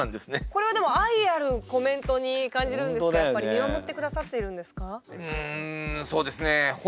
これはでも愛あるコメントに感じるんですが見守って下さっているんですか？